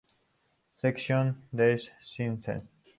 Section des sciences".